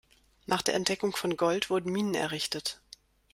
Nach der Entdeckung von Gold wurden Minen errichtet.